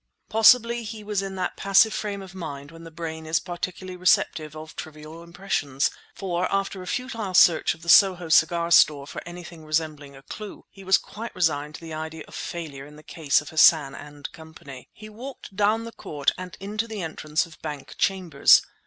Possibly he was in that passive frame of mind when the brain is particularly receptive of trivial impressions; for after a futile search of the Soho cigar store for anything resembling a clue, he was quite resigned to the idea of failure in the case of Hassan and Company. He walked down the court and into the entrance of Bank Chambers.